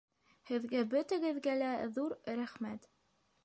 Һеҙгә бөтәгеҙгә лә ҙур рәхмәт!